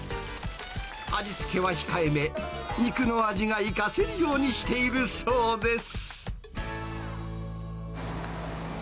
味付けは控えめ、肉の味が生かせるようにしているそうです。